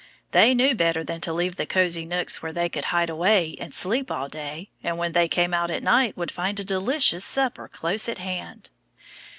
They knew better than to leave the cosey nooks where they could hide away and sleep all day, and when they came out at night would find a delicious supper close at hand.